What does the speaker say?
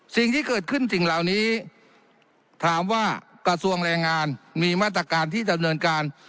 สิ่งที่เกิดขึ้นสิ่งเหล่านี้ถามว่ากระทรวงแรงงานมีมาตรการที่ดำเนินการ